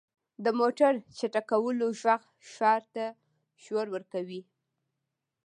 • د موټر چټکولو ږغ ښار ته شور ورکوي.